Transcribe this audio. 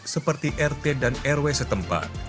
seperti rt dan rw setempat